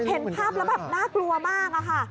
เห็นภาพแล้วแบบน่ากลัวมากอะค่ะ